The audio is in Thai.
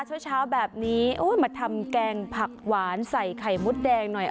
เช้าเช้าแบบนี้โอ้ยมาทำแกงผักหวานใส่ไข่มดแดงหน่อย